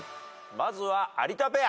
まずは有田ペア。